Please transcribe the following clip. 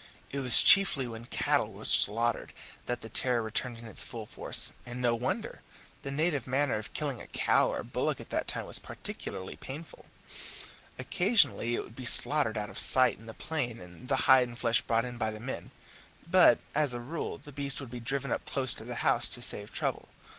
It was chiefly when cattle were slaughtered that the terror returned in its full force. And no wonder! The native manner of killing a cow or bullock at that time was peculiarly painful. Occasionally it would be slaughtered out of sight on the plain, and the hide and flesh brought in by the men, but, as a rule, the beast would be driven up close to the house to save trouble.